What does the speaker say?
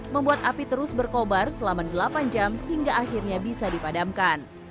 membuat api terus berkobar selama delapan jam hingga akhirnya bisa dipadamkan